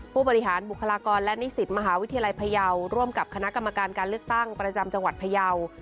ผู้บริหารบุคลากรและนิสิตมหาวิทยาลัยพยาวร่วมกับคณะกรรมการการเลือกตั้งประจำจังหวัดพยาว